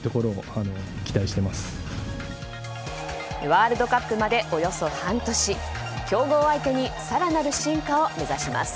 ワールドカップまでおよそ半年強豪相手に更なる進化を目指します。